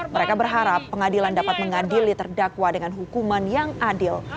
mereka berharap pengadilan dapat mengadili terdakwa dengan hukuman yang adil